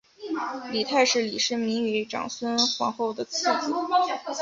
李泰是李世民与长孙皇后的次子。